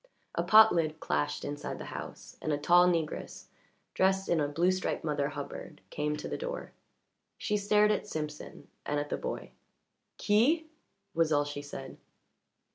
A pot lid clashed inside the house, and a tall negress, dressed in a blue striped Mother Hubbard, came to the door. She stared at Simpson and at the boy. "Qui?" was all she said.